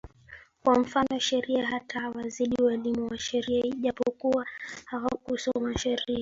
kwa mfano sheria hata kuwazidi walimu wa sheria japokuwa hakusomea sheria